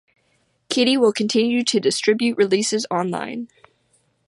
Kitty will continue to distribute releases online.